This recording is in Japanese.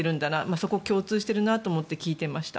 そこが共通しているなと思って聞いていました。